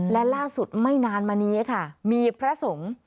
และล่าสุดไม่นานมานี้ค่ะมีพระสงฆ์